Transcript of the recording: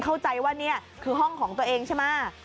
เข้าใจว่านี่คือห้องของตัวเองใช่ไหม